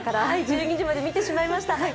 はい、１２時まで見てしまいました。